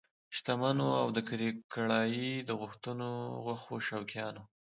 شتمنو او د کړایي د غوښو شوقیانو!